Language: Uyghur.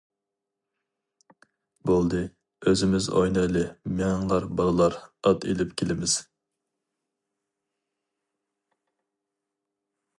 بولدى، ئۆزىمىز ئوينايلى مېڭىڭلار بالىلار ئات ئېلىپ كېلىمىز.